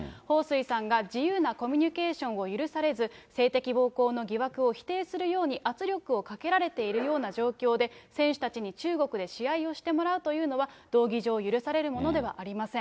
彭帥さんが自由なコミュニケーションを許されず、性的暴行の疑惑を否定するように圧力をかけられているような状況で、選手たちに中国で試合をしてもらうというのは、道義上、許されるものではありません。